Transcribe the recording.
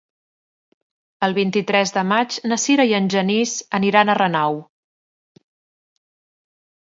El vint-i-tres de maig na Sira i en Genís aniran a Renau.